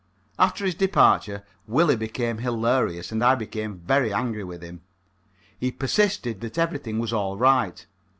After his departure Willie became hilarious and I became very angry with him. He persisted that everything was all right.